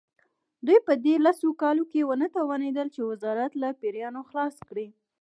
دوی په دې لسو کالو کې ونه توانېدل چې وزارت له پیریانو خلاص کړي.